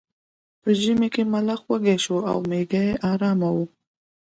په ژمي کې ملخ وږی شو او میږی ارامه وه.